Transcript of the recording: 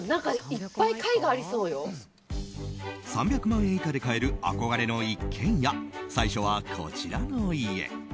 ３００万円以下で買える憧れの一軒家最初は、こちらの家。